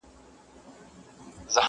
شین طوطي کیسې د ټوکو جوړولې؛